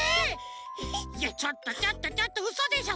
いやちょっとちょっとちょっとうそでしょ？